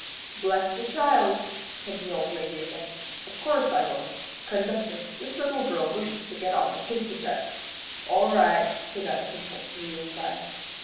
"Bless the child!" said the old lady again, "of course I will. Conductor, this little girl wishes to get off at Ciscasset." "All right," said that official, hurrying by.